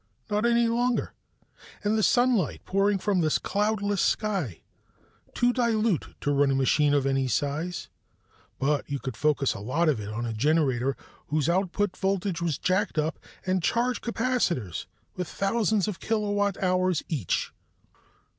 Not any longer! And the sunlight pouring from this cloudless sky to dilute to run a machine of any size. But you could focus a lot of it on a generator whose output voltage was jacked up, and charge capacitors with thousands of kilowatt hours each.